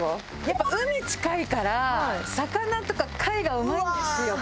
やっぱ海近いから魚とか貝がうまいんですよ